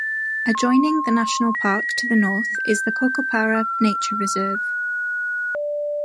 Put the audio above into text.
Adjoining the national park to the north is the Cocoparra Nature Reserve.